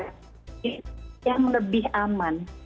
jadi yang lebih aman